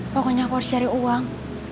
pokoknya aku harus cari uang